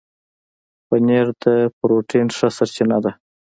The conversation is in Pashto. پنېر د پروټين ښه سرچینه ده.